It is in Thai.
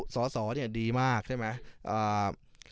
สอสอดีมากใช่ไหม